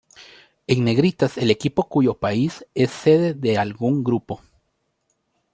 En negritas el equipo cuyo país es sede de algún grupo.